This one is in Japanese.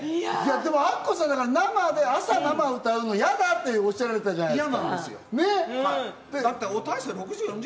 アッコさん、朝、生で歌うの嫌だって、おっしゃられたじゃないですか。